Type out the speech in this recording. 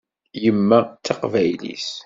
Yemma d taqbaylit.